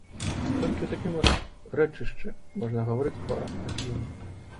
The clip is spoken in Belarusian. Толькі ў такім рэчышчы можна гаварыць аб адзіным.